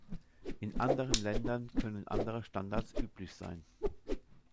In anderen Ländern können andere Standards üblich sein.